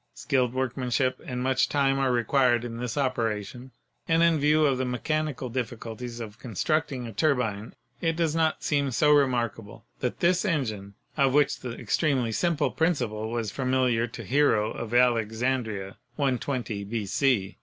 Skilled workmanship and much time are required in this operation, and in view of the mechanical difficulties of constructing a turbine, it does not seem so remarkable that this engine, of which the extremely simple principle was familiar to Hero of Alexandria (120 B.C.)